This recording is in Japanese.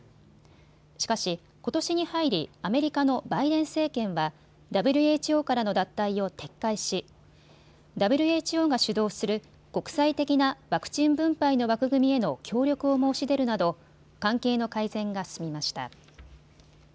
しかし、ことしに入り、アメリカのバイデン政権はＷＨＯからの脱退を撤回しＷＨＯが主導する国際的なワクチン分配の枠組みへの協力を申し出るなど関係の改善が進みました。